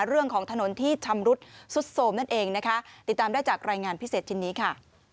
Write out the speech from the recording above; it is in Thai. เรื่องของถนนที่ชำรุดสุดโสมนั่นเองนะคะติดตามได้จากรายงานพิเศษชิ้นนี้ค่ะ